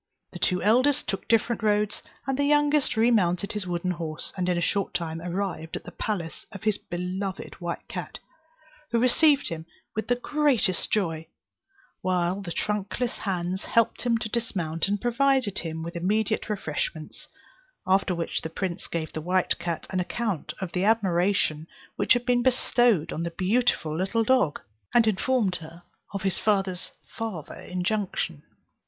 The two eldest took different roads, and the youngest remounted his wooden horse, and in a short time arrived at the palace of his beloved white cat, who received him with the greatest joy, while the trunkless hands helped him to dismount, and provided him with immediate refreshments; after which the prince gave the white cat an account of the admiration which had been bestowed on the beautiful little dog, and informed her of his father's farther injunction.